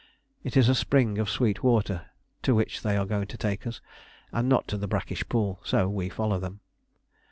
It is a spring of sweet water to which they are going to take us, and not to the brackish pool, so we follow them.